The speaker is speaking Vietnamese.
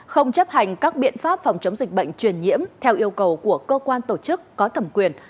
không chấp hành các biện pháp phòng chống dịch bệnh truyền nhiễm theo yêu cầu của cơ quan tổ chức có thẩm quyền